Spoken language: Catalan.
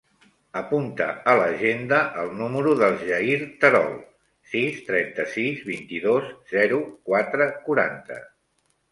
Apunta a l'agenda el número del Jair Terol: sis, trenta-sis, vint-i-dos, zero, quatre, quaranta.